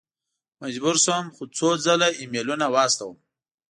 مجبور شوم څو ځل ایمیلونه واستوم.